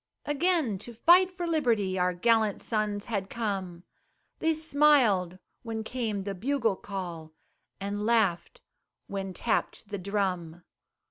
Again to fight for liberty, Our gallant sons had come, They smiled when came the bugle call, And laughed when tapped the drum.